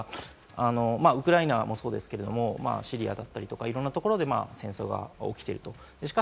ウクライナもそうですけれども、シリアだったりとかいろんなところで戦争が起きている。